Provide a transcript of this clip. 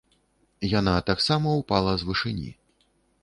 Яна таксама ўпала з вышыні.